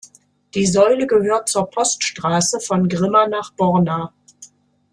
Die Säule gehört zur Poststraße von Grimma nach Borna.